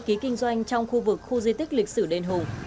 ký kinh doanh trong khu vực khu di tích lịch sử đền hùng